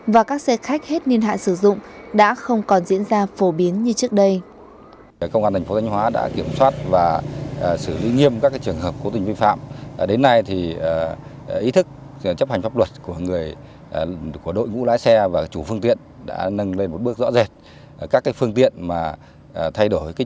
và các xe khách hết nền hạn sử dụng đã không còn diễn ra phổ biến như trước đây